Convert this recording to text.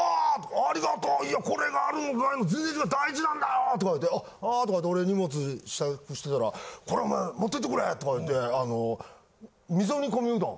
ありがとうこれがあるのとないの全然違う大事なんだよとか言ってあとか言って俺荷物支度してたらこれお前持って行ってくれとか言うて味噌煮込みうどん。